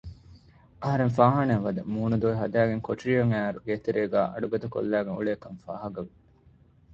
އަހަރެން ފާހާނާއަށްވަދެ މޫނު ދޮވެ ހަދައިގެން ކޮޓަރިއަށް އައިއިރު ގޭތެރޭގައި އަޑުގަދަކޮށްލައިގެން އުޅޭކަން ފާހަގަވި